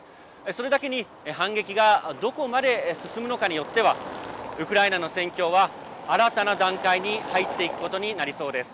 それだけに反撃がどこまで進むのかによってはウクライナの戦況は新たな段階に入っていくことになりそうです。